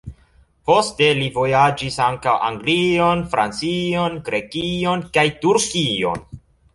Poste li vojaĝis ankaŭ Anglion, Francion, Grekion kaj Turkion.